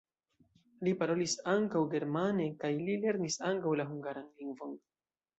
Li parolis ankaŭ germane kaj li lernis ankaŭ la hungaran lingvon.